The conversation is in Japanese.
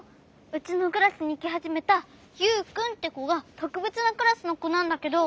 うちのクラスにきはじめたユウくんってこがとくべつなクラスのこなんだけど。